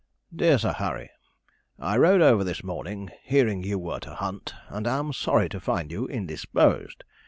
'DEAR SIR HARRY, I rode over this morning, hearing you were to hunt, and am sorry to find you indisposed.